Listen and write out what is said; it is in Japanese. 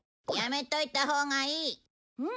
やめといたほうがいい。